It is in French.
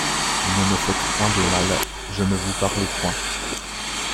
Ne me faites point de mal : je ne vous parle point.